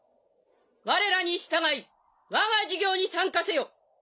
われらに従いわが事業に参加せよ。